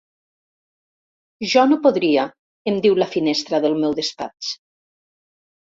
Jo no podria —em diu la finestra del meu despatx.